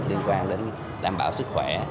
liên quan đến đảm bảo sức khỏe